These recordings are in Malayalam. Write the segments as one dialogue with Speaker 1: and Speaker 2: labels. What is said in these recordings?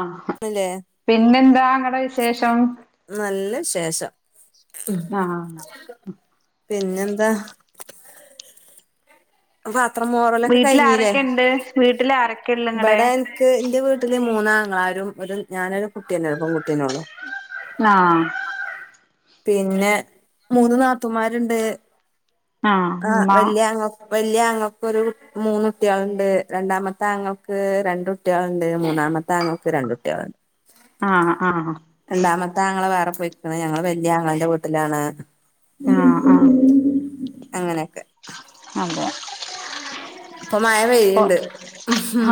Speaker 1: ആഹ്.
Speaker 2: അല്ലേ.
Speaker 1: പിന്നെന്താ അങ്ങടെ വിശേഷം?
Speaker 2: നല്ല വിശേഷം.
Speaker 1: ആഹ്.
Speaker 2: പിന്നെന്താ? പാത്രം മോറലൊക്കെ
Speaker 1: വീട്ടിൽ
Speaker 2: കഴിഞീല്ലേ
Speaker 1: ആരൊക്കെണ്ട് വീട്ടിൽ ആരൊക്കെള്ളെ ഇങ്ങടെ
Speaker 2: ഇവടെ ക്ക് എന്റെ വീട്ടില് മൂന്നാങ്ങളാരും ഒരു ഞാനൊരു കുട്ടിയന്നെ പെൺകുട്ടിയനെഉള്ളു.
Speaker 1: ആഹ്.
Speaker 2: പിന്നെ മൂന്ന് നാതൂമാരുണ്ട്. ആഹ് വെല്ല്യയാ വല്ല്യയ ആങ്ങളക്ക് ഒരു മൂന്ന് കുട്ടിയാളുണ്ട്, രണ്ടാമത്തെ ആങ്ങളക്ക് രണ്ടു കുട്ടിയാളുണ്ട്, മൂന്നാമത്തെ ആങ്ങൾക്ക് രണ്ട്ട്ടിയാള്ണ്ട്‌.
Speaker 1: ആഹ് ആഹ്.
Speaker 2: രണ്ടാമത്തെ ആങ്ങള വേറെ പോയിക്ക്ണ് ഞങ്ങള് വലിയ ആങ്ങളൻ്റെ വീട്ടിലാണ്
Speaker 1: ആഹ് ആഹ്
Speaker 2: അങ്ങനെ.
Speaker 1: അതെ.
Speaker 2: ഇപ്പൊ മഴ
Speaker 1: പ്പൊ
Speaker 2: പെയ്യ്ണ്ട്.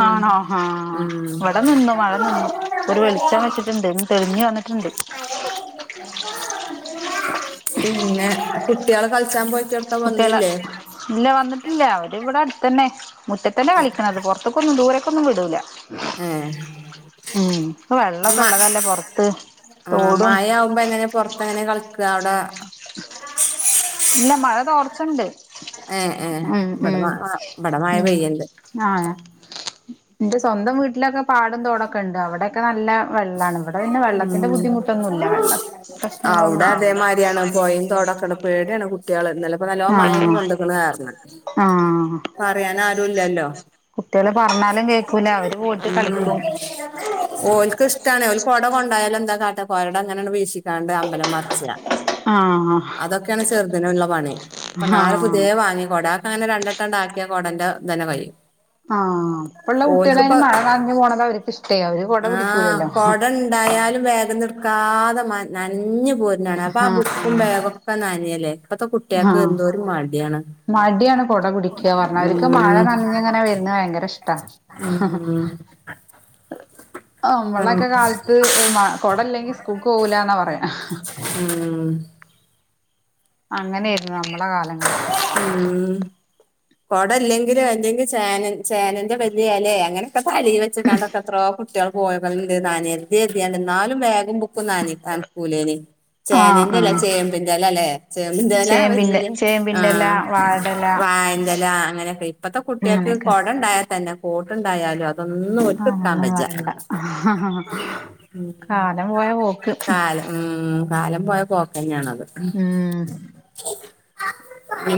Speaker 1: ആണോ ആഹ്, ഇവടെ നിന്നു മഴ നിന്നു ഒരു വെളിച്ചം വെച്ചിട്ടുണ്ട്. തെളിഞ്ഞു വന്നിട്ടുണ്ട്.
Speaker 2: പിന്നെ കുട്ടീള് കളിച്ചാൻ പോയി
Speaker 1: കുട്ടീളെ ഇല്ല വന്നിട്ടില്ല അവര് ഇവടെ അടുത്തന്നെ മുറ്റത്തന്നെ കളിക്ക്ണത് പൊറത്ത് അത്‌ക്കൊന്നും ദൂരക്കൊന്നും വിടൂല.
Speaker 2: ഏ
Speaker 1: ഉം, പ്പൊ വെള്ളക്കെ
Speaker 2: മ
Speaker 1: ഉള്ളതല്ലേ പൊറത്ത് തോടും
Speaker 2: മ്പ എങ്ങനെ പൊറത്ത് എങ്ങനെ കളിക്കാ അവടെ
Speaker 1: [inaudible] ഇല്ല മഴ തോർച്ചണ്ട്
Speaker 2: ഏ ഏ
Speaker 1: ഉം
Speaker 2: ഇവിടെ മ
Speaker 1: ഉം
Speaker 2: ഇവിടെ മഴ
Speaker 1: ഉം.
Speaker 2: പെയ്യണ്ട്
Speaker 1: ആഹ് എന്റെ സ്വന്തം വീട്ടിലൊക്കെ പാടും തോടൊക്കെ ഉണ്ട് അവടെക്കെ നല്ല വെള്ളാണ് ഇവടെ പിന്നെ വെള്ളത്തിന്റെ ബുദ്ധിമുട്ടൊന്നുല്ല വെള്ള
Speaker 2: അവിടെ
Speaker 1: പ്രശ്നങ്ങളൊന്നും
Speaker 2: അതേമാതിരിയാണ് പൊഴയും തോടൊക്കെണ്ട് പേടിയാണ് കുട്ടീള് ന്നലെ ഇപ്പൊ നല്ലോം മഴൊക്കെ കൊണ്ട്ക്ക്ണ് ആർന്ന്.
Speaker 1: ആഹ്
Speaker 2: പറയാൻ ആരുല്ലല്ലോ.
Speaker 1: കുട്ടികള് പറഞ്ഞാലും കേക്കൂല അവര് പോയിട്ട്
Speaker 2: ഉം
Speaker 1: കളിക്കും
Speaker 2: ഓൽക്ക് ഇഷ് ടാണ് ഓല് കൊട കൊണ്ടായാലും എന്താ കാട്ട കൊട ങ്ങനെട് വീശിക്കാണ്ട് അമ്പലം മർച്ച.
Speaker 1: ആഹ്
Speaker 2: അതൊക്കെയാണ് ചെറുതിനുള്ള പണി അപ്പൊന്നാള്
Speaker 1: ആഹ്
Speaker 2: പുതിയേ വാങ്ങിയ കൊടാ. അങ്ങനെ രണ്ട് വട്ടം ണ്ടാക്കിയ കോടന്റെ ഇതന്നെ കയ്യും.
Speaker 1: ആഹ്, ഇപ്പുള്ള കുട്ടീയേലേയ്ന് മഴ നനഞ്ഞു പോണതാ അവര്ക്കിഷ്ട്ടേയ് അവര് കൊട പിടിക്കൂലല്ലോ.
Speaker 2: ഉണ്ടായാലും ബാഗിന്ന് ട്ക്കാതെ നനഞ്ഞു പോരുന്നാണാ അപ്പൊ ആ
Speaker 1: ആഹ്
Speaker 2: ബുക്കും ബാഗും നനഞ്ഞില്ലേ ഇപ്പത്തെ കുട്ടികൾക്ക്
Speaker 1: ആഹ്
Speaker 2: എന്തോരു മടിയാണ്.
Speaker 1: മടിയാണ് കുട പിടിക്കാൻ അവർക്ക് മഴ
Speaker 2: ഉം
Speaker 1: നനഞ്ഞ് ഇങ്ങനെ വരുന്നത് ഭയങ്കര ഇഷ്ട.
Speaker 2: ഉം
Speaker 1: നമ്മൾടെ ഒക്കെ
Speaker 2: ഉം
Speaker 1: കാലത്ത് കൊടല്ലെങ്കിൽ സ്കൂൾക്ക് പോകൂലന്നാ പറയാ.
Speaker 2: ഉം.
Speaker 1: അങ്ങനെയായിരുന്നു നമ്മളെ കാലങ്ങളിൽ.
Speaker 2: ഉം. കൊടല്ലെങ്കിലും അല്ലെങ്കിൽ ചേന ചേനന്റെ വലിയ ഇലെ അങ്ങനെയൊക്കെ തല വെച്ച കാണ്ടൊക്കെ എത്ര [unintelligible]
Speaker 1: ആഹ്
Speaker 2: ചേനന്റെല്ലാ
Speaker 1: ആഹ്
Speaker 2: ചേമ്പിന്റെ എലലേ ചേമ്പിന്റെ എല
Speaker 1: ചേമ്പിന്റെ
Speaker 2: ആ
Speaker 1: ചേമ്പിന്റെല വാഴെടെല
Speaker 2: വാഴൻ്റെ ഇല അങ്ങനെയക്കെ ഇപ്പത്തെ കുട്ടികൾക്ക്
Speaker 1: അങ്ങനെയൊക്കെ
Speaker 2: കൊട ഉണ്ടായാൽ തന്നെ കോട്ട് ഉണ്ടായാലും തൊന്നും [unintelligible]
Speaker 1: അതൊന്നും വേണ്ട കാലം പോയ പോക്ക്
Speaker 2: വയ്യ കാലം ഉം കാലം പോയ പോക്കന്നയാണത്.
Speaker 1: ഉം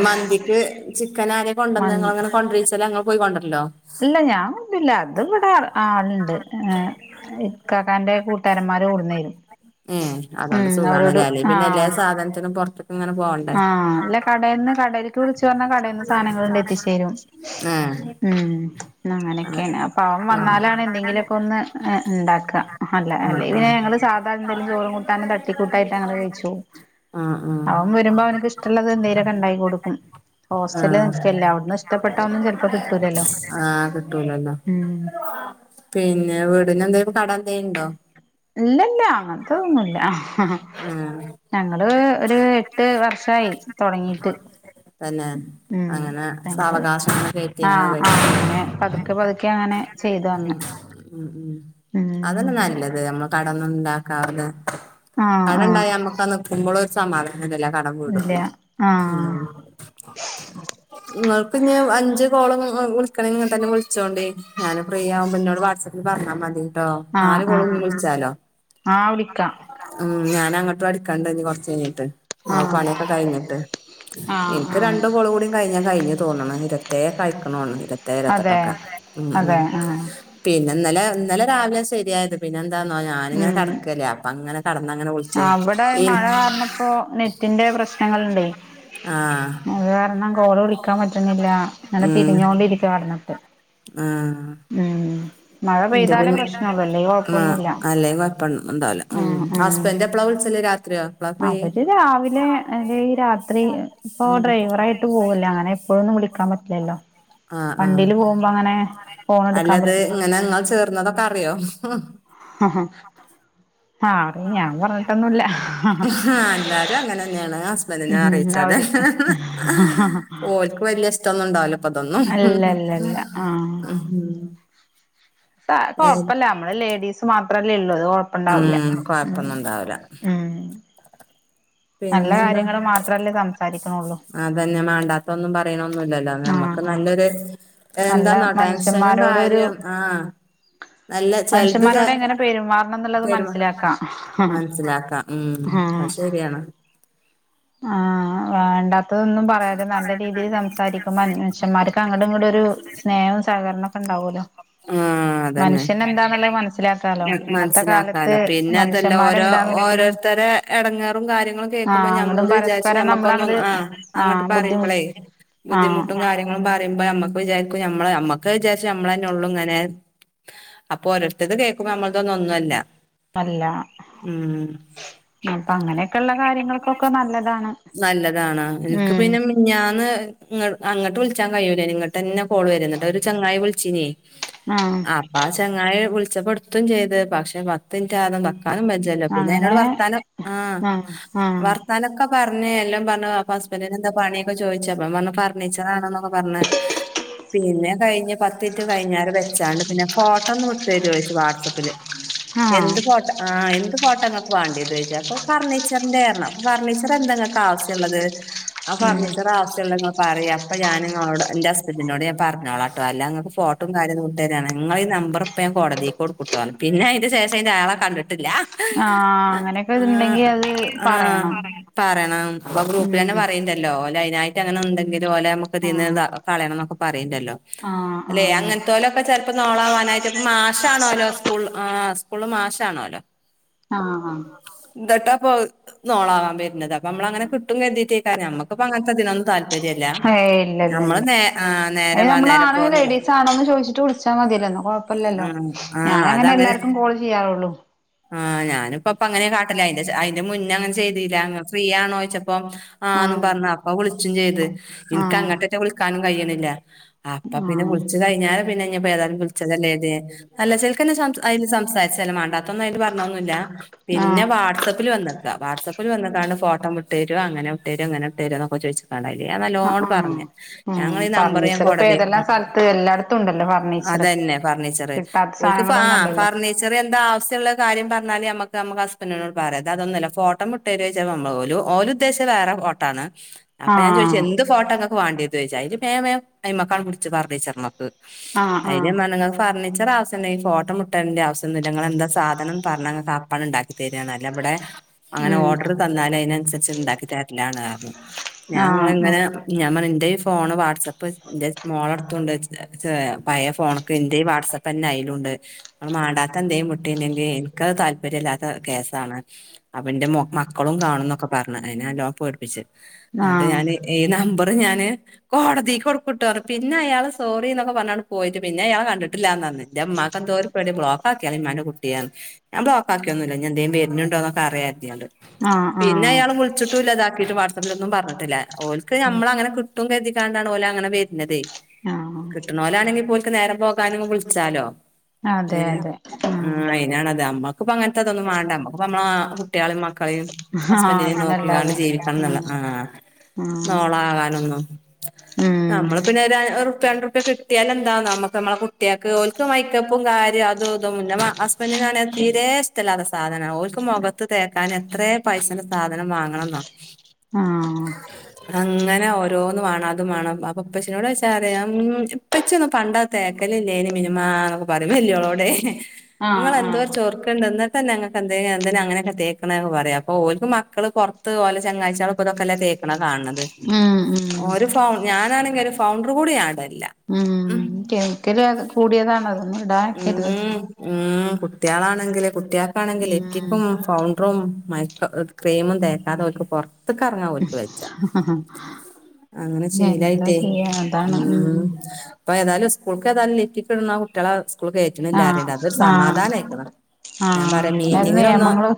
Speaker 2: മന്തിക്ക് ചിക്കൻ ആരെ കൊണ്ടുവന്ന്
Speaker 1: മന്തി
Speaker 2: [unintelligible] പോയി കൊണ്ടരല്ലോ.
Speaker 1: ഇല്ല ഞാൻ കൊണ്ടരൂല്ല അത് ഇവിടെ ആളുണ്ട് ഉം. കാക്കാന്റെ കൂട്ടാരന്മാര് കൂടുന്നേരും ഉം അവരോട് ആഹ്! !
Speaker 2: അതെന്തിന് പൊറത്തൂന്ന്.. അങ്ങനെ പോ...
Speaker 1: ആഹ്! അല്ല കടയിൽന്ന്, കടലേക്ക് വിളിച്ചു പറഞ്ഞാൽ കടയിൽ നിന്ന് സാധനങ്ങൾ എത്തിച്ചു തരും
Speaker 2: ഏഹ്
Speaker 1: ഉം...
Speaker 2: ആഹ്
Speaker 1: അങ്ങനെയൊക്കെയാണ്! അപ്പൊ അവൻ
Speaker 2: ആഹ്
Speaker 1: വന്നാലാണ് എന്തെങ്കിലുമൊക്കെ ഒന്ന് ഉണ്ടാക്കുക... അല്ല
Speaker 2: ആഹ്
Speaker 1: അല്ലേലു
Speaker 2: ആഹ്
Speaker 1: ഞങ്ങള് സാധാ എന്തെലും ചോറും, കൂട്ടാനും തട്ടി കൂട്ടായിട്ട് ഞങ്ങള് കഴിച്ചു പോവും
Speaker 2: ആഹ്! ആഹ്!
Speaker 1: വരുമ്പോ അവനക്ക് ഇഷ്ടമുള്ളത് എന്തേലൊക്കെ ഉണ്ടായി കൊടുക്കും.
Speaker 2: ആഹ്
Speaker 1: ഹോസ്റ്റല്
Speaker 2: ആഹ്
Speaker 1: എല്ല അവിടന്ന് ഇഷ്ടപ്പെട്ട ഒന്നും ചിലപ്പോ കിട്ടൂലല്ലോ?
Speaker 2: കിട്ടലല്ലോ??
Speaker 1: ഉം
Speaker 2: പിന്നെ... വീടിന് എന്തെങ്കിലും കടം എന്തുണ്ടോ?
Speaker 1: ഇല്ലില്ല, അങ്ങനത്തെ ഒന്നുല്ല!
Speaker 2: ആഹ്
Speaker 1: ഞങ്ങള് ഒരു എട്ട്..... ട്ട് വർഷമായി തുടങ്ങീട്ട്.. !
Speaker 2: തന്നെ
Speaker 1: ഉം...
Speaker 2: അങ്ങനെ
Speaker 1: ങ്ങള്
Speaker 2: സാവകാശങ്ങനെ കയറ്റി അങ്ങനെ
Speaker 1: ആഹ്! ആഹ്!
Speaker 2: ഉപയോഗിക്കാം
Speaker 1: അങ്ങനെ പതുക്കെ പതുക്കെ അങ്ങനെ... ചെയ്തു
Speaker 2: ഉം
Speaker 1: തന്ന്... ! !
Speaker 2: ഉം.. ഉം.. അതല്ലേ നല്ലത് നമ്മ... കടൊന്നും ഉണ്ടാക്കാണ്ട്!
Speaker 1: ആഹ് ആഹ്
Speaker 2: കടുണ്ടായാ നമ്മുക്കന്ന് കുമ്പോൾ സമാധാന.... എന്നലല്ലേ കടം
Speaker 1: ഇല്ല
Speaker 2: വീടുള്ളു...
Speaker 1: ആഹ്
Speaker 2: നിങ്ങൾക്ക് ഇനി അഞ്ച് കോളും വിളിക്കണെങ്കി തന്നെ വിളിച്ചോളീ.. ഞാന് ഫ്രീ ആകുമ്പ എന്നോട് വാട്സ് ആപ്പിൽ പറഞ്ഞാൽ മതി ആം
Speaker 1: ആഹ്
Speaker 2: നാല് കോള്
Speaker 1: ആഹ്
Speaker 2: വിളിച്ചാലോ?
Speaker 1: ആഹ് വിളിക്കാം
Speaker 2: ഉം.... ഞാനൻ അങ്ങോട്ടും അടിക്കാണ്ടു കൊറച്ച കഴിഞ്ഞിട്ട്...
Speaker 1: ആഹ്
Speaker 2: പണിയൊക്കെ കഴിഞ്ഞിട്ട്!
Speaker 1: ആഹ്
Speaker 2: എനിക്ക്
Speaker 1: ആഹ്
Speaker 2: രണ്ടുംകോളും കൂടി... കഴിഞ്ഞ കഴിഞ്ഞ തോന്നണ്‌! ഇരത്തേ കഴിക്കണ ഇരത്തേ
Speaker 1: അതെ
Speaker 2: ഇരത്തിട്ടൊക്കെ ഉം... ഉം...
Speaker 1: അതെ ആഹ്
Speaker 2: പിന്നെ ഇന്നലെ ഇന്നലെ രാവിലെ ശരിയത്? പിന്നെ എന്താന്നോ ഞാനിങ്ങനെ കെടക്കല്ലേ? അപ്പ അങ്ങനെ കെടന്നങ്ങനെ പോയി... പി...
Speaker 1: അവിടെ മഴ കാരണം ഇപ്പോ നെറ്റിന്റെ പ്രശ്നങ്ങൾ ഉണ്ടേ!
Speaker 2: ആഹ്
Speaker 1: അത് കാരണം കോളു വിളിക്കാൻ പറ്റുന്നില്ല! അങ്ങനെ
Speaker 2: ഉം
Speaker 1: തിരിഞ്ഞുകൊണ്ടിരിക്കുവാ എന്നിട്ട്.
Speaker 2: ആഹ്! !
Speaker 1: ഉം മഴ പെയ്താലേ പ്രശ്നം ഒള്ളു ഇല്ലേ
Speaker 2: ആ
Speaker 1: കൊഴപ്പൊന്നുമില്ല!
Speaker 2: അല്ലേ കൊഴപ്പ ഉണ്ടാവില്ല! ഉം... ഹസ്ബൻഡ് എപ്പഴാ വിളിച്ചല്? രാത്രിയോ? എപ്പളാ ഫ്രീ
Speaker 1: അവര് രാവിലെ, അല്ലെ ഈ രാത്രി, ഇപ്പൊ
Speaker 2: ഉം
Speaker 1: ഡ്രൈവറായിട്ട് പോവല്ലേ? അങ്ങനെ എപ്പോഴും ഒന്നും വിളിക്കാൻ പറ്റ... ല്ലല്ലോ??
Speaker 2: ആഹ്! ആഹ്!
Speaker 1: ഫോൺ എടുക്കാൻ
Speaker 2: അല്ലത്
Speaker 1: പറ്റില്ല
Speaker 2: ഇങ്ങനെ നിങ്ങൾ ചേർന്നതൊക്കെ അറിയോ?
Speaker 1: ഹ്ഹ ഹ്ഹ! ആഹ് അറി ഞാൻ പറഞ്ഞിട്ടൊന്നുല്ല!
Speaker 2: ആ എല്ലാരും അങ്ങനെ തന്നെയാണ് ഹസ്ബൻഡിനെ അറിയിച്ചാല്
Speaker 1: അവര്. ഹ്ഹ ഹ്ഹ ഹ!
Speaker 2: ഓൽക്ക് വല്യ ഇഷ്ടൊന്നും ഇണ്ടാവുല്ല ഇപ്പൊ ഇതൊന്നും.
Speaker 1: അല്ല അല്ല
Speaker 2: ഹ്ഹ
Speaker 1: അല്ല ആഹ്
Speaker 2: [inaudible]
Speaker 1: കൊഴപ്പല്ല നമ്മളെ ലേഡീസ് മാത്രല്ലേ ഉള്ളത്! അത് കൊഴപ്. ഒണ്ടാവില്ല!
Speaker 2: ഉം
Speaker 1: ഉം.
Speaker 2: കൊഴപ്പൊന്നും ഉണ്ടാവില്ല
Speaker 1: ഉം. നല്ല
Speaker 2: പിന്നെന്താ?
Speaker 1: കാര്യങ്ങള് മാത്രല്ലേ സംസാരിക്കണുള്ളൂ
Speaker 2: അതന്നെ. മാണ്ടാത്ത ഒന്നും പറിണൊന്നുല്ലല്ലോ?
Speaker 1: ആഹ്
Speaker 2: നമ്മക്ക്
Speaker 1: ആഹ്
Speaker 2: നല്ലൊര്.
Speaker 1: നല്ല
Speaker 2: എന്താന്നോ ടെൻഷനും,
Speaker 1: മനുഷ്യന്മാരോട് ഒരു
Speaker 2: കാര്യം ആഹ്.. അല്ല ചെൽത്,, ചെ
Speaker 1: മനുഷ്യന്മാരോട് എങ്ങനെ പെരുമാറണം എന്നുള്ളത്
Speaker 2: ചെ.
Speaker 1: മനസ്സിലാക്കാം
Speaker 2: മൻസിലാക്കാം. ഉം
Speaker 1: ആഹ്
Speaker 2: അത് ശരിയാണ്!
Speaker 1: ആഹ് വേണ്ടാ. ത്തതൊന്നും പറയാതെ നല്ല രീതിയില് സംസാരിക്കുമ്പ [unintelligible] മനുഷ്യന്മാർക്ക് അങ്ങടും, ഇങ്ങടും ഒരു സ്നേഹവും, സഹകരണ ഉണ്ടാവോല്ലോ
Speaker 2: ആഹ് അതന്നെ
Speaker 1: മനുഷ്യന് എന്താന്ന്ള്ളത് മനസ്സിലാക്കാലോ? ഇന്നത്തെ കാലത്ത്
Speaker 2: മനസ്സിലാക്കാലോ
Speaker 1: മനുഷ്യന്മാരെ എന്താന്ന് പോലും.
Speaker 2: ഇത്തര എടങ്ങേറും കാര്യങ്ങളും കേൾക്കുമ്പ
Speaker 1: ആഹ് അങ്ങടും
Speaker 2: ഞമ്മള്
Speaker 1: പരസ്പരം
Speaker 2: വിചാരിച്ച്ഞമ്മക്കൊന്നും
Speaker 1: നമ്മളങ്ങട്
Speaker 2: ആ. അങ്ങട്ട്
Speaker 1: ആഹ്
Speaker 2: പറിമ്പളേ
Speaker 1: ബുദ്ധിമുട്ട് ആഹ്
Speaker 2: ബുദ്ധിമുട്ടും കാ കാര്യങ്ങളു പറിമ്പോ ഞമ്മക്ക് വിചാരിക്കും ഞമ്മള് ഞമ്മക്ക് വിചാരിച്ചു നമ്മളെന്നെ ഒള്ളൂ ഇങ്ങനെ അപ്പൊ ഒരോര്തെത് കേൾക്കുമ്പ നമ്മളതൊന്നും ഒന്നു അല്ല
Speaker 1: അല്ല അപ്പം അങ്ങനെയൊക്കെ ഇള്ള കാര്യങ്ങൾക്കൊക്കെ നല്ലതാണ്
Speaker 2: നല്ലതാണ് എനിക്ക്
Speaker 1: ഉം
Speaker 2: പിന്നെ മിഞ്ഞാന്ന് ങ്ങ ഇങ്ങട്ട് വിളിച്ചാൻ കഴിയുലേ നി ഇങ്ങട്ടെന്നെ കോള് വരെ ഇന്നട്ട് ഒരു ചങ്ങായി വിളിച്ചീനേ
Speaker 1: ആഹ്
Speaker 2: അപ്പ ആഹ് ചങ്ങായി വിളിച്ചപ്പം ഇട്ത്തും ചെയ്ത്. പക്ഷെ പത്ത് മിൻറ്റാവാതെ നെക്കാനും ല്ലെല്ലോ പിന്നെ ഇന്നോട്
Speaker 1: അങ്ങനെ
Speaker 2: വർത്താനം ആഹ് വർത്താനൊക്കെ പറഞ്ഞ് എല്ല പറ്ഞ്ഞ് പെ [unintelligible] ന്നെ എന്താ പണ്യാെക്കെ ചോയ്ച്ച്. അപ്പം ഞാ പറ്ഞ്ഞു ഫർണിച്ചറാണ്ന്നൊക്കെ പറഞ് പിന്നെ കഴിഞ്ഞ് പത്തു മിൻറ്റ് കഴിഞ്ഞാരെ വെച്ചാണ്ട് പിന്നെ ഫോട്ടോ ഒന്ന് വിട്ടെരോയ്ച്ചു വാട്സപ്പില്
Speaker 1: ആഹ്
Speaker 2: എന്ത് ഫോട്ടം ആഹ് എന്ത് ഫോട്ടോ ഇങ്ങക്ക് വേണ്ട്യേത് ഓയ്ച്ച്. അപ്പ ഫർണീച്ചറ്ന്റെ അറ്ണ് അപ്പ ഫർണീച്ചർ എന്താ ഇങ്ങക്ക് ആവസ്യള്ളത് ആഹ്
Speaker 1: ഉം
Speaker 2: ഫർണിച്ചർ ആവശ്യ ഇള്ളത് പറ്യയ. അപ്പ ഞാൻ ഇങ്ങളോട് ഇന്റെ ഹസ്ബന്റിനോട് ഞാൻ പറഞ്ഞോളാ ട്ടോ അല്ല ഇങ്ങക്ക് ഫോട്ടം കാര്യ ഒന്നും വിട്ടേതാണ് ഇങ്ങളെ ഈ നമ്പർ ഇപ്പ ഞാ കോടതീക്ക് കൊടുക്കും ട്ടോ റ്ഞ്ഞ്. പിന്നെ അയ് ശേഷം അയ്ന്റെ ആളെ കണ്ട്ട്ടില്ല
Speaker 1: ആഹ് അങ്ങനെയൊക്കെ
Speaker 2: ആഹ്
Speaker 1: ഇതുണ്ടെങ്കി അത്
Speaker 2: ആഹ്
Speaker 1: പറയണം
Speaker 2: പറ്യണം. അ ഗ്രൂപ്പിലെന്നെ
Speaker 1: ഉം
Speaker 2: പറ ഇണ്ടല്ലോ ഒലൈനായിട്ട് അങ്ങനെ ഇണ്ടെകിലും ഒലെ നമുക്ക് ഇതിന്ന്
Speaker 1: ആഹ്
Speaker 2: കളയണം ഇന്നൊക്കെ പറയിണ്ടല്ലോ
Speaker 1: ആഹ്
Speaker 2: അല്ലെ അങ്ങൻത്തോലൊക്കെ ചെല്‌പം നോളാവാനായിട്ട് ഇപ്പ മാഷാണോല്ലോ സ്കൂൾ ആഹ് സ്കൂൾ മാഷാണോലോ
Speaker 1: ആഹ് ആഹ്
Speaker 2: ഇന്തട്ട് അപ്പൊ നോളാവാൻ വരുന്നത് അപ്പൊ നമ്മള അങ്ങനെ കിട്ടും കരുതീട്ട് ഏക്കാരം ഞമ്മുക്കിപ്പ അങ്ങനത്തെ ഇതിനൊ
Speaker 1: ഏഹ് ഇല്ലല്ല ഇല്ല
Speaker 2: ആ
Speaker 1: അത്
Speaker 2: നേരെ വാ നേരെ
Speaker 1: നമ്മളാണോ
Speaker 2: പോന്നുള്ള
Speaker 1: ലേഡീസ് ആണോന്ന് ചോയ്ച്ചിട്ട് വി വച്ചാ മതിയല്ലൊ. ഇന്നാ കൊഴപ്പ
Speaker 2: ആ
Speaker 1: ഇല്ലല്ലോ.
Speaker 2: ആ
Speaker 1: ഞാൻ അങ്ങനെ
Speaker 2: അതങ്ങനെ
Speaker 1: എല്ലാർക്കും കോള് ചെയ്യാറൊള്ളൂ
Speaker 2: ആഹ് ഞാനിപ്പ ഇപ്പ അങ്ങനെ കാട്ടല്. അയ്ന്റെ അതിന്റെ മുന്നേ അങ്ങനെ ചെയ്തീല്ല ഫ്രീ ആണോയ്ച്ചെപ്പം ആന്ന്
Speaker 1: ആഹ്
Speaker 2: പറഞ്ഞ്. അപ്പം വിളിച്ചും ചെയ്ത് ഇൻക്ക്
Speaker 1: ആഹ്
Speaker 2: അങ്ങട്ടെറ്റെ വിളിക്കാനും കഴിണില്ല അപ്പ പിന്നെ
Speaker 1: ആഹ്
Speaker 2: വിളിച്ച് കഴിഞ്ഞാരെ പിന്നെ ഇഞ്പ്പോ ഏതായാലും വിളിച്ചതല്ലേ അതേ [unintelligible] അല്ല ചെയ്ക്ക്ന്നെ സം അയ്ല് സംസാരിചെ മാണ്ടാത്തൊന്നും അയ്ല് പറ്ഞ്ഞൊന്നുല്ല പിന്നെ
Speaker 1: ആഹ്
Speaker 2: വാട്സആപ്പിൽ വന്നതാ വാട്സപ്പില് വന്ന്ക്കാണ്ട് ഫോട്ടം വിട്ടേരോ അങ്ങനെ വിട്ടേരോ ഇങ്ങെനെട്ടേരോ ന്നൊക്കെ ചോയ്ച് ആയില്
Speaker 1: ആഹ്
Speaker 2: നല്ലോണം
Speaker 1: ആഹ്
Speaker 2: പറഞ്.
Speaker 1: ഉം
Speaker 2: ഞങ്ങള് ഈ നമ്പർ ഞാൻ
Speaker 1: ഫർണിച്ചർ ഇപ്പൊ
Speaker 2: കൊടതി
Speaker 1: ഏതെല്ലാം സ്ഥലത്ത് എല്ലായിടത്തും ഉണ്ടല്ലോ ഫർണിച്ചർ
Speaker 2: അതെന്നെ ഫർണിച്ചറ്
Speaker 1: കിട്ടാത്ത
Speaker 2: ഓല്ക്ക് ഇപ്പം ആ
Speaker 1: സാധനങ്ങളൊന്നും അല്ലല്ലോ
Speaker 2: ഫർണി ചെറീയ എന്ത് ആവശ്യം ഉള്ള കാര്യം പറഞ്ഞാൽ നമക് നമ്മക്ക് ഹസ്ബെന്റിനോട് പറയ ഇത് അതൊന്നു അല്ല ഫോട്ടം മുട്ടെരോയ്ച്ചാ [unintelligible] നമ്മള് ഓലുദ്ദ്യേശിച്ച വേറെ ഫോട്ടോ ആണ് അപ്പ ഞാൻ ചോയ്ച്ചു,
Speaker 1: ആഹ്
Speaker 2: എന്ത് ഫോട്ടോ ങ്ങക്ക് വാണ്ടിയത് ചോദിച്ചു, അതില് മേ മേ അയ്മ്മക്കണ്ട് പിടിച്ചു, ഫർണിച്ചർമ്മക്ക്
Speaker 1: ആഹ്
Speaker 2: അയില്
Speaker 1: ആഹ്
Speaker 2: ഞാൻ പർഞ്. ങ്ങക് ഫർണിച്ചറാവ്സ്യ ണ്ടെ ഫോട്ടം വിട്ടര്ണ്ട ആവസ്യംന്നുല്ല. ഇങ്ങളെന്താ സാധനംന്ന് പർഞ്ഞ ങ്ങക്കപ്പണ്ട് ഇണ്ടാക്കിതരാണ് അല്ലാബടെ അങ്ങനെ
Speaker 1: ഉം
Speaker 2: ഓർഡർ തന്നാല് അതിനനുസരിച്ച് ഇണ്ടാക്കി തരലാണ് പറഞ്ഞു
Speaker 1: ആഹ് ആഹ്
Speaker 2: ഞങ്ങളെങ്ങനെ ഞാൻ പറഞ് ന്റെ ഫോണ്‌ വാട്സപ്പ് ന്റെ മോള അട്ത്തുണ്ട്. പയേ ഫോണ് ക്ക് ന്റെ ഈ വാട്സആപ്പ പ്പന്നെഅയ്ലുണ്ട്. ങ്ങള് മാണ്ടാത്ത ന്തേം വിട്ടിൻഡെങ്കി ഇൻക്കത് താൽ ല്പര്യംല്ലാത്ത കേസാണ്. അപ്പന്റെ മക്കളും കാണുംന്നൊക്കെ പർഞ്. അയ്നെ നല്ലോം പേട്പ്പിച് ന്നട്ട്
Speaker 1: ആഹ്
Speaker 2: ഞാന് ഈ നമ്പറ് ഞാന് കോടതി കൊടുക്കുട്ടോ പറഞ്ഞു പിന്നെ അയാള് സോറിന്നൊക്കെ പറഞ്ഞണ് പോയിട്ട് പിന്നെ അയാൾ കണ്ടിട്ടില്ലാന്നറഞ്ഞെ ഇന്റെ ഇമ്മാക്ക് എന്തോര് പേ പേട്യ.. ബ്ലോക്കാക്കിയാളി മ്മാന്റെ കുട്ടി അർഞ്. ഞാൻ ബ്ലോക് ക്കാക്കിയൊന്നുല്ല. ഇനി എന്തേം വര്ന്ണ്ടോന്നൊക്കെ അറിയാര്തിയാണ്ട്.
Speaker 1: ആഹ് ആഹ്
Speaker 2: പിന്നയാള് വിൾച്ചിട് കിട്ടൂല്ല ഇതാക്കിറ്റ് വാട്സപ്പിലൊന്നും പറഞ്ഞിട്ടില്ല ഓൽക്ക്
Speaker 1: ഉം
Speaker 2: ഞമ്മളത് അങ്ങനെ കിട്ടും കരുതിക്കാണ്ടാണ് ഓല അങ്ങനെ വര്നെതെ
Speaker 1: ആഹ്
Speaker 2: കിട്ട്ണോലാണെങ്കി പ്പോല്ക് നേരം പോകാന്ങ്ങനെ വിൾച്ചാലോ
Speaker 1: അതെ
Speaker 2: ഏഹ്
Speaker 1: അതെ
Speaker 2: ആ
Speaker 1: ആഹ്
Speaker 2: അതിനാണ അത് അമ്മക്ക്പ്പൊ അങ്ങൻത്തെ ഇതൊന്നും വാണ്ട അമ്മക്ക് ഇപ്പൊ അമ്മളെ മാ കുട്ടിയാളിം മക്കളിം
Speaker 1: ആഹ്
Speaker 2: ഹസ്ബൻഡിനിം
Speaker 1: പിന്നല്ലാതെ
Speaker 2: നോക്കിക്കാണ്ട് ജീവിക്കണം
Speaker 1: ഉം
Speaker 2: എന്നുള്ള ആഹ്
Speaker 1: ഉം
Speaker 2: നോളാവാനൊന്നും..
Speaker 1: ഉം
Speaker 2: അമ്മള് പിന്നെ ഒരു റുപ്യ രണ്ട് റുപ്യ കിട്ടിയാലെന്താന്ന അമ്മക്ക് അമ്മെളെ കുട്ടിയാക്ക് ഓൽക്ക് മേക്കപ്പും കാര്യം അതുഇ തും ഇന്റെ ഹസ്ബൻഡിനാണെ അത് തീരെ ഇഷ്ടല്ലാത്ത സാനാണ് ഓൽക്ക് മൊഖത്ത്. തേക്കാനേത്രേ പൈസന്റെ സാധനം വാങ്ങണം ന്നൊ?
Speaker 1: ആഹ്
Speaker 2: അങ്ങനെ ഓരോന്ന് വാണം. അത് വാണം അതൊക്കെ ഇപ്പച്ചിനോട് ചോയിച്ചാ പറിം ഉം ഇപ്പച്ചിയൊന്നും പണ്ടത് തേക്കലില്ലേനി മിനുമ്മാ എന്നൊക്കെ പറയും വലിയോളോടെ
Speaker 1: ആഹ് ആഹ്
Speaker 2: ഇങ്ങെളെ
Speaker 1: ആഹ്
Speaker 2: ചൊർക്ക്ണ്ട് ഇന്നട്ടെന്നേ ഇങ്ങക്ക് എന്തിനാ എന്തിനാ അങ്ങനെക്കെ തേക്ക്ണെ പറയായും അപ്പോ ഓൽക്ക് മക്കള് പൊർ ത്ത് ഓലെ ചങ്ങാഴ്ചിയാളൊക്കെ ഇതൊക്കെല്ല തേക്ക്ണ കാണ് ണത്
Speaker 1: ഉം ഉം
Speaker 2: ഓരെ പ്പം ഞാനാണെങ്കി ഒരു ഫൗണ്ടർ കൂടി ഞാടല്ല.
Speaker 1: ഉം.. കെമിക്കല് അത് കൂടിയതാണതൊന്നും
Speaker 2: ഉം
Speaker 1: ഇടാഅയക്കരുത്.
Speaker 2: ഉം കുട്ട്യാളാണെങ്കിൽ കുട്ട്യാക്കാണെങ്കിൽ
Speaker 1: ഉം
Speaker 2: ലിഫ്റ്റിക്കും ഫൗണ്ടറും മൈ ക്ക ക്രീമും തേക്കാതെ ഓല്ക്ക് പൊർത്ത്ക്കർങ്ങാ ഓൽക്ക് വെജ്ജ അങ്ങനെ
Speaker 1: എന്താ
Speaker 2: ശീലായിട്ടേ
Speaker 1: ചെയ്യാ അതാണ്
Speaker 2: ഉം പ്പേതായാലും സ്കൂൾക് ഏതായാലും ലിഫ്റ്റിക്കിടുന്ന കുട്യളെ സ്കൂൾ
Speaker 1: ആഹ്
Speaker 2: കേറ്റ്ണ്ല്ലാറിണ്ട്. അതൊരു
Speaker 1: ആഹ്
Speaker 2: സമാധാനയ് ക്കണ്. ഞാൻ
Speaker 1: ആഹ്
Speaker 2: പറയാ
Speaker 1: അങ്ങനെ ഒരു
Speaker 2: മീറ്റിങ്ങിലൊന്നും,
Speaker 1: നിയമങ്ങള്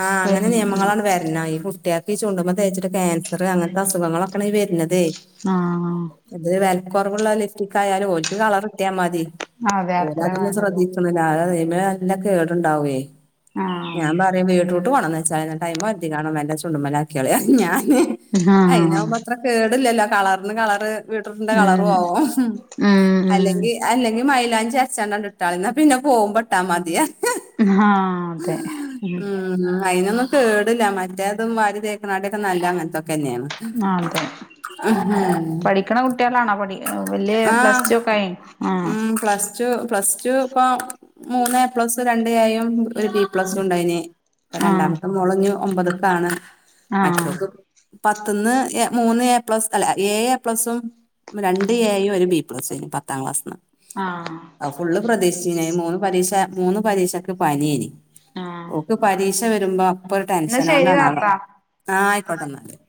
Speaker 2: ആഹ് അങ്ങനെ
Speaker 1: വരുന്നു ഉം
Speaker 2: നിയമങ്ങളണ്ട് വരണം ഈ കുട്ട്യാക് ക്കി ചുണ്ടുമ്മ തേച്ചിട്ട് ക്യാൻസർ അങൻത്തെ അുഖങ്ങളൊക്കെണീ വര്ന്നതെയ്
Speaker 1: ആഹ്
Speaker 2: ഇത് വെൽകൊറവ്ള്ള ലിഫ്റ്റിക ആയാലും ഓല്ക്ക് കളർ കിട്ടിയാ മതി
Speaker 1: അതെ
Speaker 2: ഓര്
Speaker 1: അത്ര
Speaker 2: അതൊന്നും
Speaker 1: വേണ്ടല്ലോ
Speaker 2: ശ്രദ്ധി ക്കൊന്നുല്ല അയിമ്മെ നല്ല കേട്ണ്ടാവേ
Speaker 1: ആഹ്
Speaker 2: ഞാൻ പറ ബീട്റൂട്ട് കൊണ്ടന്നച്ചാളി. നട്ടയമേ ഒരതിക്കാണ്ട് മെല്ല ചുണ്ടുമലാക്കിയളി ന്നറിയും ഞാന്.
Speaker 1: ആഹ്
Speaker 2: അയിനാകുമ്പോ അത്ര കേട്ല്ലല്ലോ. കളറിന് കളറ്. വീറ്റ്റൂട്ടിന്റെ കളറും
Speaker 1: ഉം
Speaker 2: ആവും,
Speaker 1: ഉം
Speaker 2: അല്ലെങ്കി
Speaker 1: ഉം
Speaker 2: അല്ലെങ്കിൽ മൈലാഞ്ചി അര് ച്ചാണ്ടണ്ട്ട്ടാളി. ന്നാ പിന്നെ പോവുമ്പോ ട്ടാ മതിയർഞ്.
Speaker 1: ഉം ഹാഹ് അതെ ഉം
Speaker 2: ഉ അതിനൊന്നും കേടില്ല മറ്റേതും വാരി തേക്കണാട്ട്യൊക്കെ നല്ല അങ്ങൻത്തൊക്കെന്നേണ്.
Speaker 1: ആ അതെ. പഠിക്കണ കുട്ട്യാളാണോ.. പഠി വല്യേ പ്ലസ് ടു
Speaker 2: ആഹ്
Speaker 1: ഒക്കെ ആയി ആ
Speaker 2: ഉം പ്ലസ് പ്ലസ് ടു പ്പം മുന്ന് എ പ്ലസ് രണ്ട് എ യും ഒരു ബി പ്ലസുണ്ടായിനി. പ്പ രണ്ടാമത്തെ മോള്ന്നി ഒമ്പത്ക്കാണ്
Speaker 1: ആഹ്
Speaker 2: മറ്റൊൾക്ക്. പത്ത്ന്ന് മൂന്ന് എ പ്ലസ് അല്ല എ ഏഴ് എ പ്ലസും. രണ്ട് എയും ഒരു ബി പ്ലസ് ഏനീ. പത്താം ക്ലാസ്ന്ന്.
Speaker 1: ആഹ് -
Speaker 2: അത് ഫുള്ള്. പ്രതീഷിച്ചീനി. മൂന്ന് പരീക്ഷ മൂന്ന് പരീക്ഷക്ക് പന്യേനി.
Speaker 1: ആഹ്
Speaker 2: ഓക്ക് പരീ പ വരുമ്പോ അപ്പൊ ഒരു
Speaker 1: എന്നാ
Speaker 2: ടെൻഷന
Speaker 1: ശരി
Speaker 2: കൊണ്ടാണാവളോ
Speaker 1: താത്ത
Speaker 2: ആ ആയിക്കോട്ടന്ന.